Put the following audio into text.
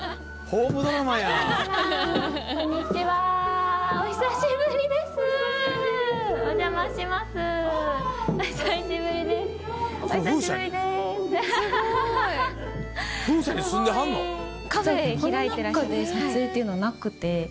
この中で撮影っていうのはなくて。